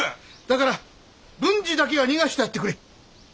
だから文治だけは逃がしてやってくれ。